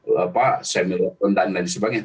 bapak saya minta pendapat dari sebagainya